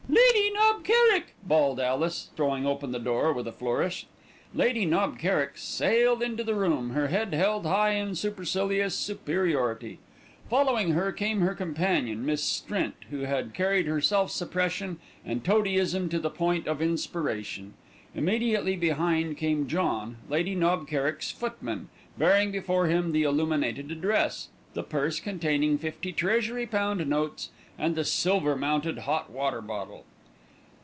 "Lady Knob Kerrick," bawled Alice, throwing open the door with a flourish. Lady Knob Kerrick sailed into the room, her head held high in supercilious superiority. Following her came her companion, Miss Strint, who had carried self suppression and toadyism to the point of inspiration. Immediately behind came John, Lady Knob Kerrick's footman, bearing before him the illuminated address, the purse containing fifty Treasury pound notes, and the silver mounted hot water bottle.